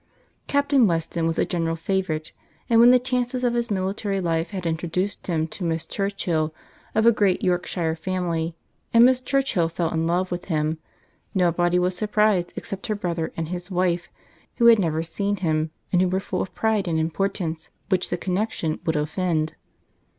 Captain Weston was a general favourite; and when the chances of his military life had introduced him to Miss Churchill, of a great Yorkshire family, and Miss Churchill fell in love with him, nobody was surprized, except her brother and his wife, who had never seen him, and who were full of pride and importance, which the connexion would offend.